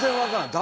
誰？